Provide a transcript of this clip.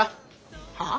はあ？